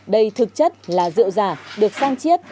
đây thực chất là rượu giả được sang chiết